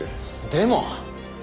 でも。